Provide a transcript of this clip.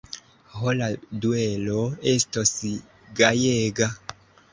Ho, la duelo estos gajega!